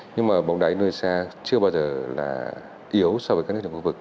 nhưng mà bóng đáy indonesia chưa bao giờ là yếu so với các nước trong khu vực